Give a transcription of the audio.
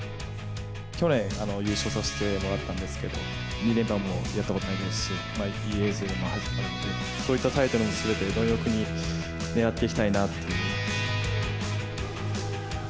去年、優勝させてもらったんですけど、２連覇もやったことないですし、そういったタイトルもすべて、貪欲にねらっていきたいなというふうに。